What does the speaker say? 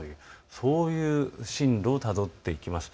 こういう進路をたどっていきます。